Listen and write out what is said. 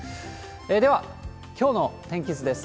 では、きょうの天気図です。